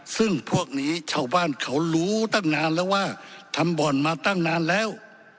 ซึ่งพวกนี้ชาวบ้านเขารู้ตั้งนานแล้วว่าทำบ่อนมาตั้งนานแล้ว